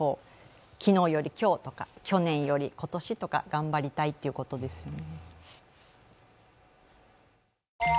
昨日より今日とか去年より今年とか、頑張りたいということですね。